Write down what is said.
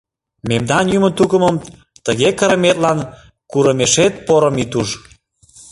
Мемнам, юмын тукымым, тыге кырыметлан курымешет порым ит уж!..